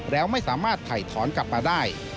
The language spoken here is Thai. แล้วไม่สามารถถ่ายถอนกลับมาได้